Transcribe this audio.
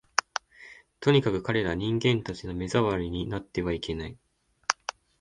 とにかく、彼等人間たちの目障りになってはいけない